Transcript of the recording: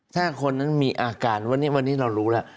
ถ้าคนนั้นมีอาการวันนี้วันนี้เรารู้แล้ว